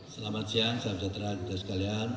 selamat siang sahabat sahabat terhadap kita sekalian